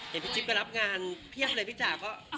พี่จิ๊บไปรับงานเพียบเลยพี่จ๋าก็